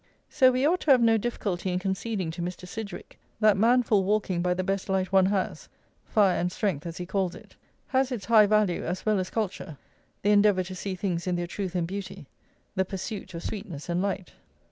So we ought to have no difficulty in conceding to Mr. Sidgwick that manful walking by the best light one has, fire and strength as he calls it, has its high value as well as culture, the endeavour to see things in their truth and beauty, the pursuit of sweetness and light.